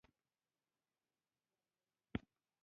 په نولس سوه شپېته مه لسیزه کې پېچلو جوړښتونو بدتر کړل.